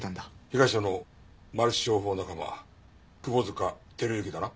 被害者のマルチ商法仲間窪塚照之だな？